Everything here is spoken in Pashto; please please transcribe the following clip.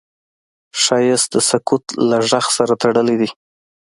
ښایست د سکوت له غږ سره تړلی دی